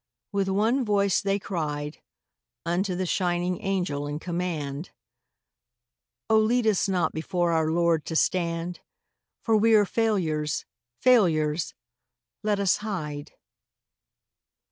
With one voice they cried Unto the shining Angel in command: 'Oh, lead us not before our Lord to stand, For we are failures, failures! Let us hide.